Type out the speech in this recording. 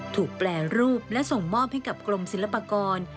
ถูกแปลรูปและส่งมอบให้กับกลมศิลปกรณ์